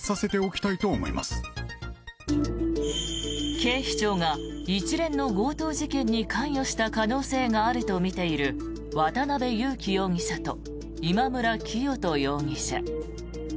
警視庁が一連の強盗事件に関与した可能性があるとみている渡邉優樹容疑者と今村磨人容疑者。